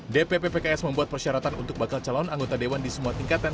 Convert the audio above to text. dpp pks membuat persyaratan untuk bakal calon anggota dewan di semua tingkatan